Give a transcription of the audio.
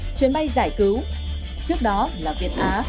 liên kết chuyến bay giải cứu trước đó là việt á